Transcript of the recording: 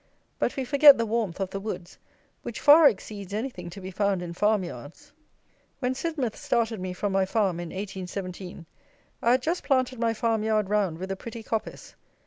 But we forget the warmth of the woods, which far exceeds anything to be found in farm yards. When Sidmouth started me from my farm, in 1817, I had just planted my farm yard round with a pretty coppice.